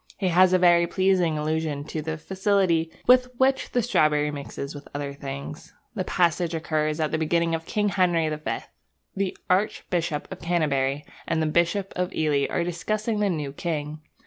He has a very pleasing allusion to the facility with which the strawberry mixes with other things. The passage occurs at the beginning of King Henry the Fifth. The Archbishop of Canterbury and the Bishop of Ely are discussing the new king.